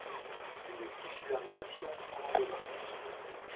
Une titularisation sans lendemain.